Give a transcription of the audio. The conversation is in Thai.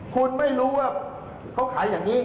คุณไม่รู้ว่าเขาขายอย่างนี้